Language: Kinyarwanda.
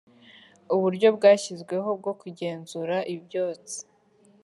uburyo bwashyizweho bwo kugenzura ibyotsi